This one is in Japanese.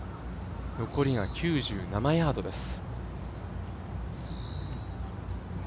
残りが９７ヤードです。